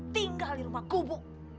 tinggal di rumah kubu